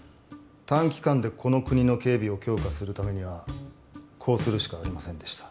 短期間でこの国の警備を強化するためにはこうするしかありませんでした。